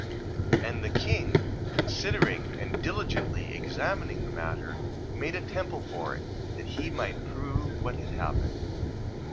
1:34. And the king considering, and diligently examining the matter, made a temple for it, that he might prove what had happened.